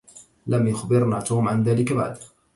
لم يخبرنا توم عن ذلك بعد.